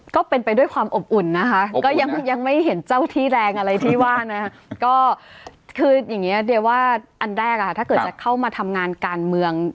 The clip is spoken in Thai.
ก็เป็นไปด้วยความอบอุ่นนะคะก็ยังไม่เห็นเจ้าที่แรงอะไรที่ว่านะก็คืออย่างนี้เดียว่าอันแรกถ้าเกิดจะเข้ามาทำงานการเมือง